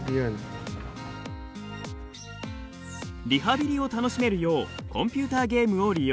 リハビリを楽しめるようコンピューターゲームを利用。